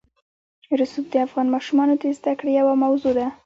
رسوب د افغان ماشومانو د زده کړې یوه موضوع ده.